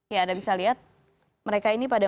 ya anda bisa lihat mereka ini pada